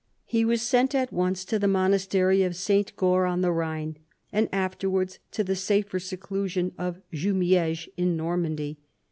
He was sent at once to the mon astery of St. GovCr on the Rhine, and afterwards to the safer seclusion of Juraieges in Normandy.